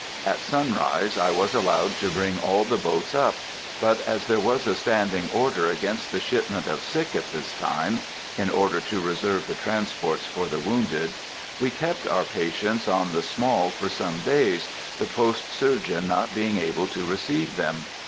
At sunrise I was allowed to bring all the boats up; but as there was a standing order against the shipment of sick at this time, (in order to reserve the transports for the wounded,) we kept our patients on the Small for some days, the post surgeon not being able to receive them.